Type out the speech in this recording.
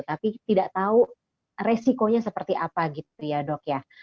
tapi tidak tahu resikonya seperti apa gitu ya dok ya